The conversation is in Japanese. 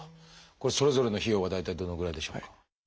これそれぞれの費用は大体どのぐらいでしょうか？